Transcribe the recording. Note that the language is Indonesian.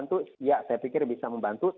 ini memang kembali semangat